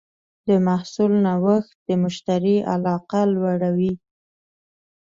د محصول نوښت د مشتری علاقه لوړوي.